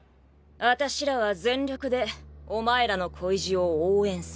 あたしらは全力でお前らの恋路を応援する。